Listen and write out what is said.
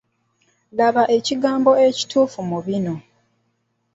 Laba ekigambo ebituufu mu bino.